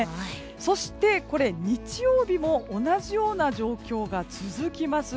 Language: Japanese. そして日曜日も同じような状況が続きます。